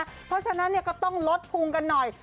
เพราะฉะนั้นก็ต้องลดภูมิกันหน่อย